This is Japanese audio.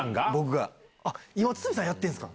今堤さんやってんすか！